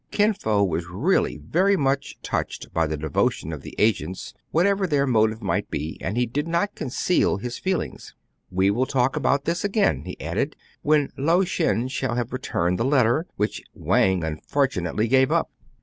Kin Fo was really very much touched by the 232 TRIBULATIONS OF A CHINAMAN. devotion of the agents, whatever their motive might be, and he did not conceal his feelings. We will talk about this again," he added, "when Lao Shen shall have returned the letter, which Wang unfortunately gave up."